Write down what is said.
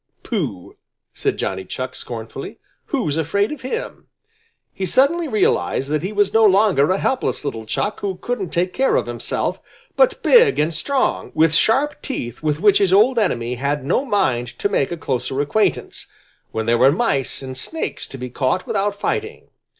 "Pooh!" said Johnny Chuck scornfully. "Who's afraid of him!" He suddenly realized that he was no longer a helpless little Chuck who couldn't take care of himself, but big and strong, with sharp teeth with which his old enemy had no mind to make a closer acquaintance, when there were mice and snakes to be caught without fighting.